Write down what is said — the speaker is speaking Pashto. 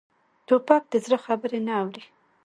توپک د زړه خبرې نه اوري.